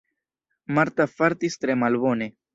Marta fartis tre malbone.